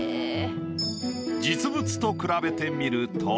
実物と比べてみると。